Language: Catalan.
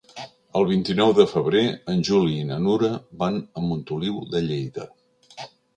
El vint-i-nou de febrer en Juli i na Nura van a Montoliu de Lleida.